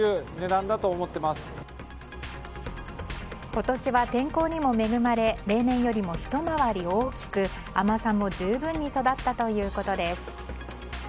今年は天候にも恵まれ例年よりもひと回り大きく甘さも十分に育ったということです。